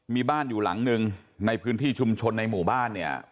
มีบ้านอยู่หลังหนึ่งในพื้นที่ชุมชนในหมู่บ้านเนี่ย